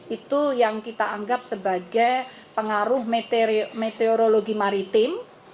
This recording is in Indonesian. itu yang kita anggap sebagai pengaruh meteorologi maritim